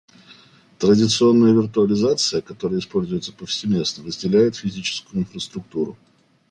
Традиционная виртуализация, которая используется повсеместно, разделяет физическую инфраструктуру